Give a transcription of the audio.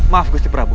maaf gusti prabu